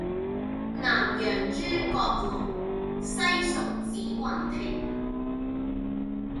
南陽諸葛廬，西蜀子雲亭